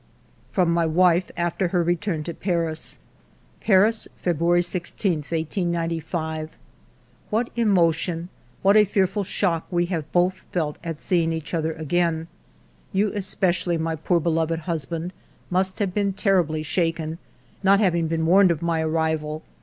From my wife after her return to Paris :— "Paris, February 16, 1895. "What emotion, what a fearful shock we have both felt at seeing each other again ! You espe cially, my poor, beloved husband, must have been terribly shaken, not having been warned of my arrival.